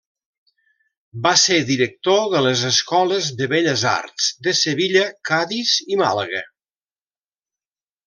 Va ser director de les Escoles de Belles Arts de Sevilla, Cadis i Màlaga.